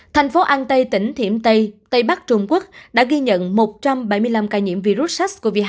thành phố an tây tỉnh thiểm tây tây bắc trung quốc đã ghi nhận một trăm bảy mươi năm ca nhiễm virus sars cov hai